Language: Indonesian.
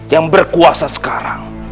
yang berkuasa sekarang